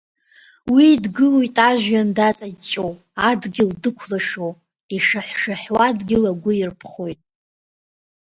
Уи дгылоит ажәҩан даҵаҷҷо, адгьыл дықәлашо, ишаҳә-шаҳәуа адгьыл агәы ирԥхоит.